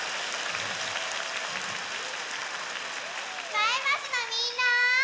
前橋のみんな！